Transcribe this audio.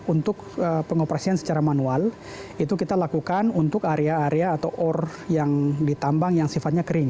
untuk pengoperasian secara manual itu kita lakukan untuk area area atau ore yang ditambang yang sifatnya kering